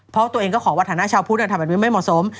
เพราะตัวเองก็ขอวัฒนะชาวพุทธทำแบบนี้ไม่เหมาะสม